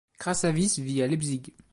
Krasavice vit à Leipzig.